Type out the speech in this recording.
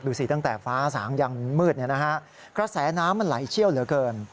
สิตั้งแต่ฟ้าสางยังมืดกระแสน้ำมันไหลเชี่ยวเหลือเกิน